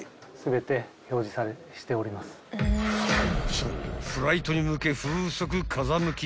［そうフライトに向け］